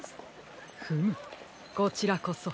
フムこちらこそ。